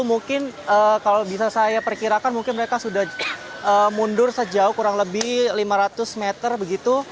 mungkin kalau bisa saya perkirakan mungkin mereka sudah mundur sejauh kurang lebih lima ratus meter begitu